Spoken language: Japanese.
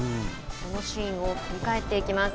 そのシーンを振り返っていきます。